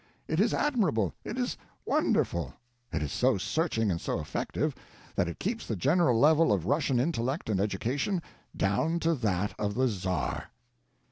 It is admirable, it is wonderful. It is so searching and so effective that it keeps the general level of Russian intellect and education down to that of the Czar."